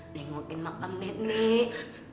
nengokin makam nenek